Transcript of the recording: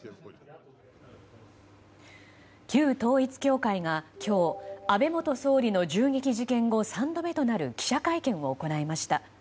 旧統一教会が今日安倍元総理の銃撃事件後３度目となる記者会見を行いました。